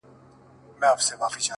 هسي نه هغه باور ـ